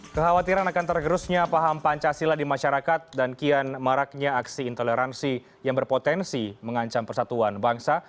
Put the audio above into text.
kekhawatiran akan tergerusnya paham pancasila di masyarakat dan kian maraknya aksi intoleransi yang berpotensi mengancam persatuan bangsa